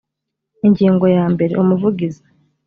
ingingo ya mbere: umuvugizi